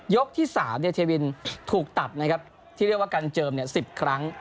ที่๓เทวินถูกตัดนะครับที่เรียกว่ากันเจิม๑๐ครั้ง